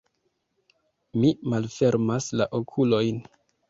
Mi malfermas la okulojn.